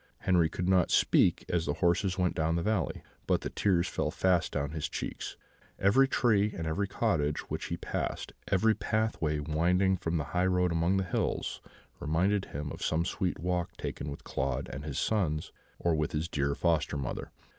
Henri could not speak as the horses went down the valley, but the tears fell fast down his cheeks; every tree and every cottage which he passed, every pathway winding from the highroad among the hills, reminded him of some sweet walk taken with Claude and his sons, or with his dear foster mother.